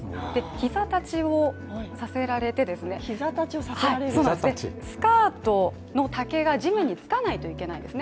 膝立ちをさせられてですねスカートの丈が地面につかないといけないんですね。